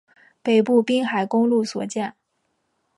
北部滨海公路所见